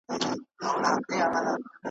اور د میني بل نه وي بورا نه وي .